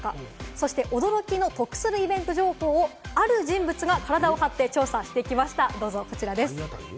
そして、驚きの得する情報をある人物が体を張って調査してきました。